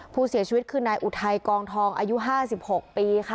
ผู้เสียชีวิตคือนายอุทัยกองทองอายุ๕๖ปีค่ะ